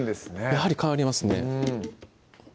やはり変わりますね